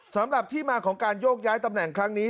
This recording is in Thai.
สำหรับที่มาของการโยกย้ายตำแหน่งครั้งนี้